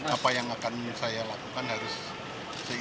apa yang akan saya lakukan harus seijin hakim yang lain